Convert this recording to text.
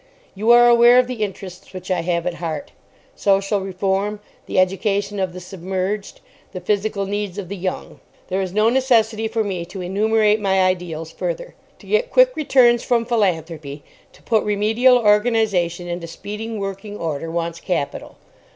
You are aware of the interests which I have at heart: social reform, the education of the submerged, the physical needs of the young—there is no necessity for me to enumerate my ideals further. To get quick returns from philanthropy, to put remedial organisation into speedy working order wants capital.